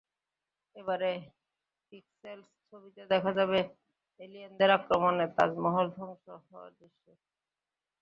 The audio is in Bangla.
এবারে পিক্সেলস ছবিতে দেখা যাবে এলিয়েনদের আক্রমণে তাজমহল ধ্বংস হওয়ার দৃশ্যের।